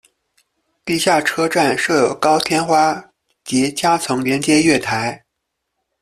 地下车站设有高天花及夹层连接月台。